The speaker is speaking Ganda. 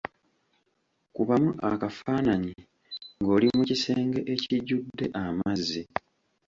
Kubamu akafaananyi ng'oli mu kisenge ekijjudde amazzi.